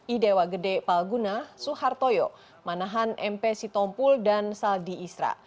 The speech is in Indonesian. idewa gede palguna suhartoyo manahan mp sitompul dan saldi isra